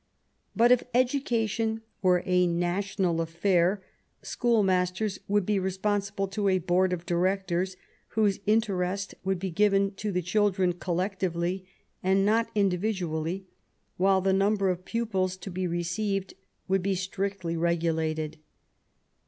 But if education were a national affair, school masters would be responsible to a board of directors, whose interest would be given to the children collectively and not individually, while the number of pupils to be received would be strictly regulated.